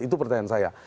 itu pertanyaan saya